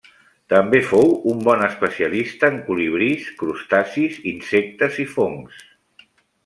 També fou un bon especialista en colibrís, crustacis, insectes, i fongs.